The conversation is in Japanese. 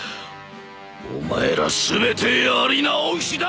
お前ら全てやり直しだ！